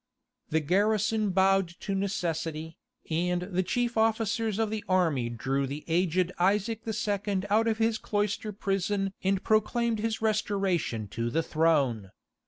The garrison bowed to necessity, and the chief officers of the army drew the aged Isaac II. out of his cloister prison and proclaimed his restoration to the throne.